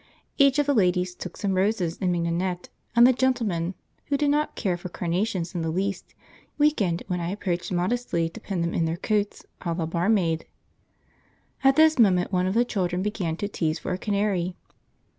Each of the ladies took some roses and mignonette, and the gentlemen, who did not care for carnations in the least, weakened when I approached modestly to pin them in their coats, a la barmaid. At this moment one of the children began to tease for a canary.